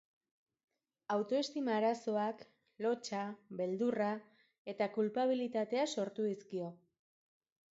Autoestima arazoak, lotsa, beldurra eta kulpabilitatea sortu dizkio.